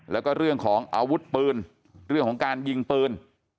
แล้วก็เรื่องของอาวุธปืนเรื่องของการยิงปืน